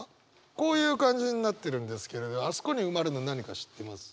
こういう感じになってるんですけどあそこに埋まるの何か知ってます？